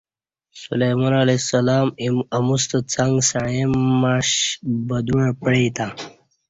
سلیمان علیہ السلام اموستہ څنگ سعیں معش بدوعہ پعی تں